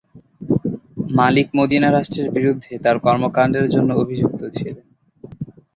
মালিক Medina রাষ্ট্রের বিরুদ্ধে তার কর্মকাণ্ডের জন্য অভিযুক্ত ছিলেন।